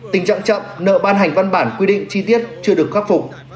tình trạng chậm nợ ban hành văn bản quy định chi tiết chưa được khắc phục